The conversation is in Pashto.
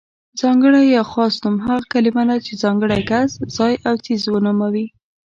ځانګړی يا خاص نوم هغه کلمه ده چې ځانګړی کس، ځای او څیز ونوموي.